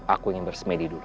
aku ingin bersemedi dulu